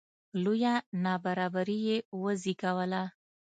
لویه نابرابري یې وزېږوله